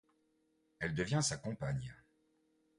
Elle devient sa compagne.